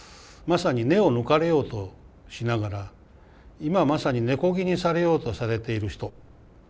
まさに根を抜かれようとしながら今まさに根こぎにされようとされている人。